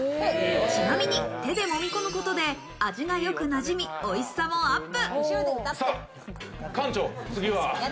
ちなみに手で揉みこむことで味がよくなじみ、おいしさもアップ。